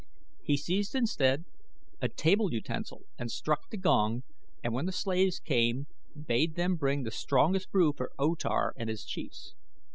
He seized instead a table utensil and struck the gong, and when the slaves came bade them bring the strongest brew for O Tar and his chiefs.